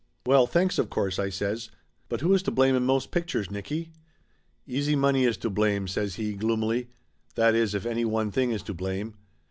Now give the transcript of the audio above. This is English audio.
"Well, thanks of course," I says. "But who is to blame in most pictures, Nicky ?" "Easy money is to blame," says he gloomily. "That is, if any one thing is to blame.